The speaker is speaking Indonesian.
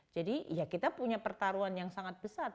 jadi ya kita punya pertarungan yang sangat besar